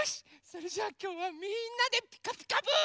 それじゃあきょうはみんなで「ピカピカブ！」。